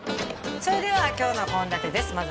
それでは今日の献立です